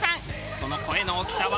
その声の大きさは。